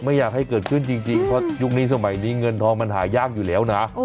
ไม่อยากให้เกิดขึ้นจริงเพราะยุคนี้สมัยนี้เงินทองมันหายากอยู่แล้วนะ